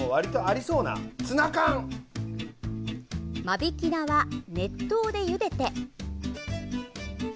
間引き菜は熱湯でゆでて。